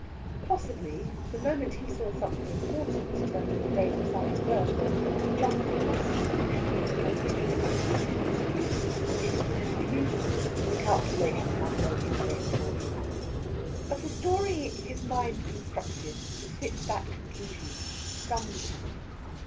Possibly, the moment he saw something important turned on the date of Sally's birth, he jumped across the solution to the conclusion it was to lead to. Given the conclusion, the calculation had no interest for him. But the story his mind constructed to fit that conclusion stunned him.